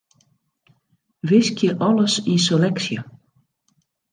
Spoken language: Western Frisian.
Wiskje alles yn seleksje.